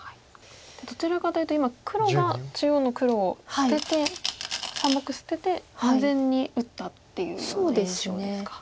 どちらかというと今黒が中央の黒を捨てて３目捨てて安全に打ったっていうような印象ですか。